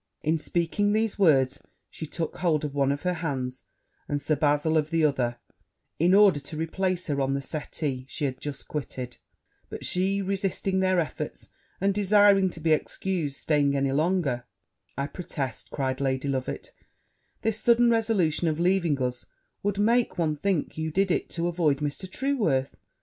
In speaking these words, she took hold of one of her hands, and Sir Bazil of the other, in order to replace her on the settee she had just quitted; but she resisting their efforts, and desiring to be excused staying any longer, 'I protest,' cried Lady Loveit, 'this sudden resolution of leaving us would make one think you did it to avoid Mr. Trueworth!